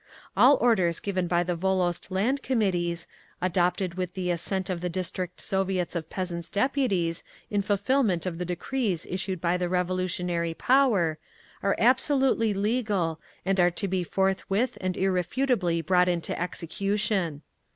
All orders given by the Volost Land Committees, adopted with the assent of the District Soviets of Peasants' Deputies, in fulfilment of the decrees issued by the revolutionary power, are absolutely legal and are to be forthwith and irrefutably brought into execution.